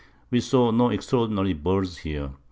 We saw no extraordinary Birds here.